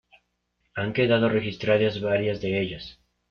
Han quedado registradas varias de ellas.